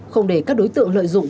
không để các đối tượng lợi dụng